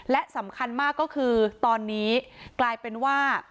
และสำคัญมากก็คือตอนนี้กลายเป็นว่า